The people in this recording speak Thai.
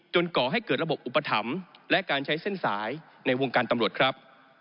ก่อให้เกิดระบบอุปถัมภ์และการใช้เส้นสายในวงการตำรวจครับ